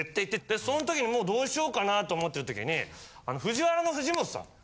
でそん時もうどうしようかなぁと思っている時にＦＵＪＩＷＡＲＡの藤本さん。